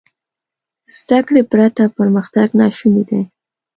زده کړې پرته پرمختګ ناشونی دی.